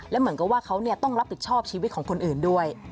และเหมือนกับว่าเขาต้องรับผิดชอบชีวิตของคนอื่นด้วย